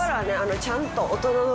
ちゃんと。